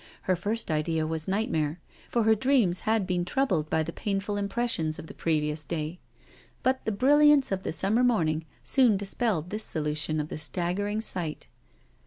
Her first idea was nightmare, for her dreams had been troubled by the painful impressions of the previous day. But the brilliancy of the summer morning soon dispelled this solution of the staggering sight.